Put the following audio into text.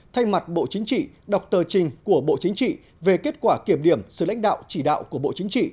thay mặt bộ chính trị đọc tờ trình của bộ chính trị về kết quả kiểm điểm sự lãnh đạo chỉ đạo của bộ chính trị